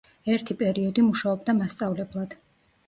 ერთი პერიოდი მუშაობდა მასწავლებლად.